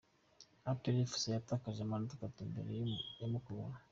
Aperi efuse yatakaje amanota atatu imbere ya Mukura